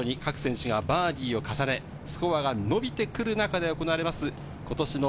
徐々に各選手がバーディーを重ね、スコアが伸びてくる中で行われます。